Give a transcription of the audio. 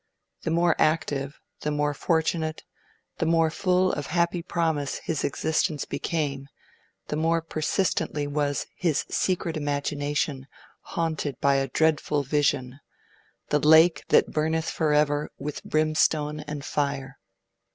The more active, the more fortunate, the more full of happy promise his existence became, the more persistently was his secret imagination haunted by a dreadful vision the lake that burneth forever with brimstone and fire.